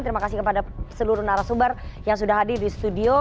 terima kasih kepada seluruh narasumber yang sudah hadir di studio